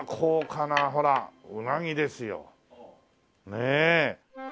ねえ！